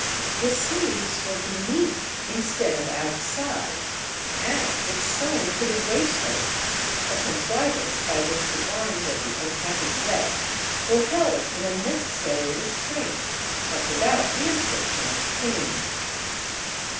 The sleeves were beneath, instead of outside, and were sewn to the waistcoat—a contrivance by which the arms of the unhappy wretch were held in a necessary restraint, but without the infliction of pain.